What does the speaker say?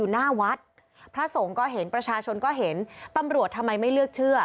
หน้าวัดพระสงฆ์ก็เห็นประชาชนก็เห็นตำรวจทำไมไม่เลือกเชื่อ